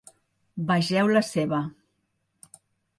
Vegeu la seva.